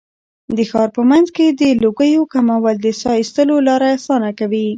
د ښار په منځ کې د لوګیو کمول د ساه ایستلو لاره اسانه کوي.